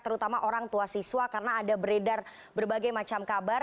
terutama orang tua siswa karena ada beredar berbagai macam kabar